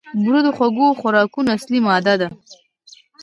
بوره د خوږو خوراکونو اصلي ماده ده.